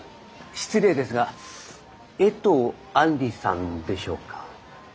失礼ですが衛藤杏莉さんでしょうか？